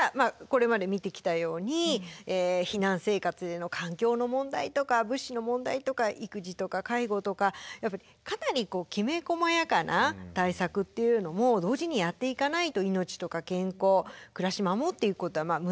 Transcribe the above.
これまで見てきたように避難生活での環境の問題とか物資の問題とか育児とか介護とかかなりきめこまやかな対策っていうのも同時にやっていかないと命とか健康暮らし守っていくことは難しいわけですよね。